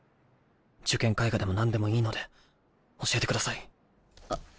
受験絵画でもなんでもいいので教えてください。